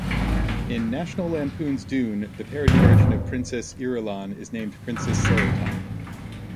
In "National Lampoon's Doon", the parody version of Princess Irulan is named Princess Serutan.